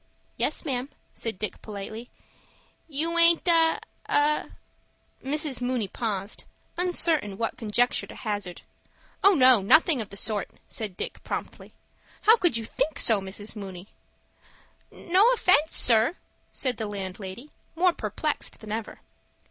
"Yes, ma'am," said Dick, politely. "You aint a—a—" Mrs. Mooney paused, uncertain what conjecture to hazard. "Oh, no, nothing of the sort," said Dick, promptly. "How could you think so, Mrs. Mooney?" "No offence, sir," said the landlady, more perplexed than ever.